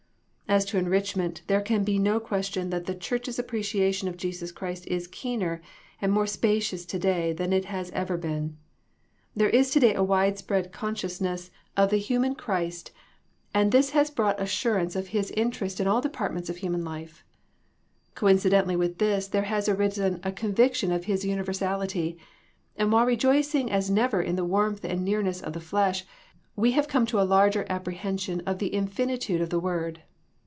As to enrichment, there can be no question that the church's appreciation of Jesus Christ is keener and more spacious to day than it has ever been. There is to day a wide spread consciousness of the 11 12 THE PEACTICE OF PEAYEE human Christ and this has brought assurance of His interest in all departments of human life. Coincidentally with this there has arisen a convic tion of His universality, and while rejoicing as never in the warmth and nearness of the Flesh, we have come to a larger apprehension of the infini tude of the Word.